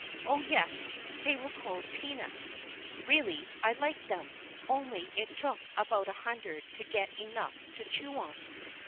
Oh, yes, they were called "peanuts." Really, I liked them, only it took about a hundred to get enough to chew on.